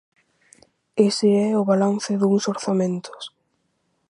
Ese é o balance duns orzamentos.